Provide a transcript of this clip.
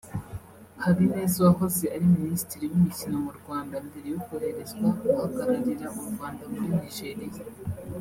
Habineza wahoze ari Minisitiri w’imikino mu Rwanda mbere yo koherezwa guhagararira u Rwanda muri Nigeria